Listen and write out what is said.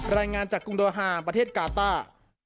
รายงานจากกรุงโดฮาประเทศกาต้า